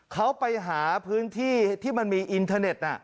เขาไปหาพื้นที่ที่มันมีอินเทอร์เน็ต